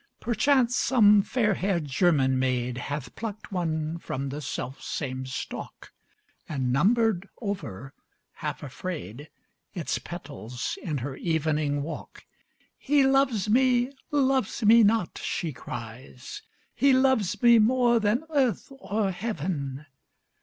Perchance some fair haired German maid Hath plucked one from the self same stalk, And numbered over, half afraid, Its petals in her evening walk. "He loves me, loves me not," she cries; "He loves me more than earth or heaven!"